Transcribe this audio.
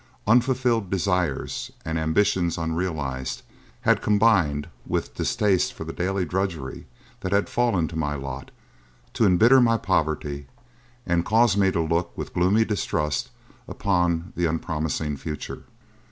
Unfulfilled desires and ambitions unrealised had combined with distaste for the daily drudgery that had fallen to my lot to embitter my poverty and cause me to look with gloomy distrust upon the unpromising future.